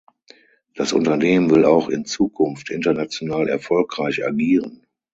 Das Unternehmen will auch in Zukunft international erfolgreich agieren.